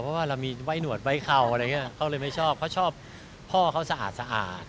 เพราะว่าเรามีไว้หนวดไว้เข่าอะไรอย่างนี้เขาเลยไม่ชอบเพราะชอบพ่อเขาสะอาดสะอาด